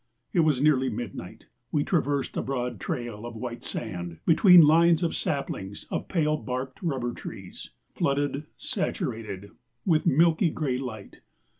It was nearly midnight. We traversed a broad trail of white sand, between lines of saplings of pale barked rubber trees, flooded, saturated, with milky gray light.